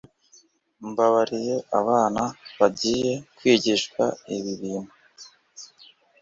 Mbabariye abana bagiye kwigishwa ibi bintu!